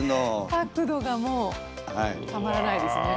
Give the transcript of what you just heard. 角度がもうたまらないですね。